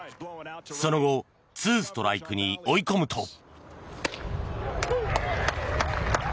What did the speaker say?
その後２ストライクに追い込むと。